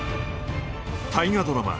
大河ドラマ